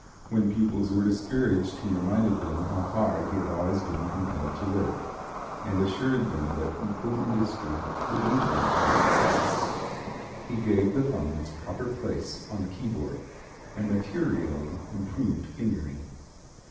When pupils were discouraged he reminded them how hard he had always been compelled to work, and assured them that equal industry would lead them to success. He gave the thumb its proper place on the keyboard, and materially improved fingering.